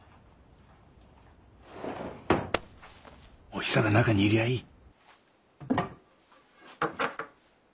おひさが中にいりゃあいい。